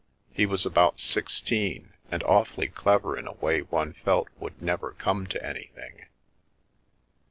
He was about sixteen, and awfully clever in a way one felt would never come to anything.